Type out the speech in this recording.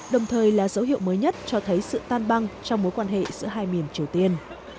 đồng thời là dấu hiệu mới nhất cho thấy sự tan băng trong mối quan hệ giữa hai miền triều tiên